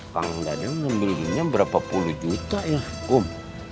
kang dadang ngambilinnya berapa puluh juta ya kum